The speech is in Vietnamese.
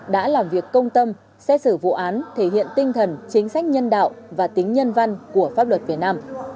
đã làm việc công tâm xét xử vụ án thể hiện tinh thần chính sách nhân đạo và tính nhân văn của pháp luật việt nam